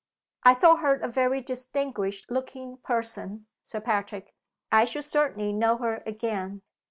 "I thought her a very distinguished looking person, Sir Patrick. I should certainly know her again."